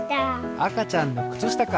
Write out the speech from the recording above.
あかちゃんのくつしたか！